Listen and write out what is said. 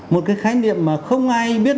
một cái khái niệm mà không ai biết